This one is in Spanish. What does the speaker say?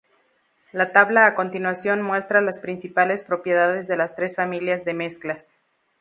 La tabla a continuación muestra las principales propiedades de las tres familias de mezclas.